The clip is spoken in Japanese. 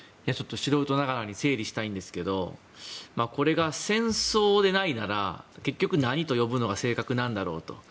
素人ながらに整理したいんですがこれが戦争でないなら結局なんと呼ぶのが正確なんだろうと。